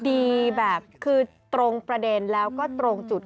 ดีแบบคือตรงประเด็นแล้วก็ตรงจุด